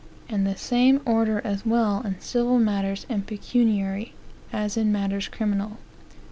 And the same order as well in civil matters and pecuniary, as in matters criminal."